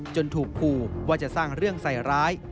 ถูกขู่ว่าจะสร้างเรื่องใส่ร้าย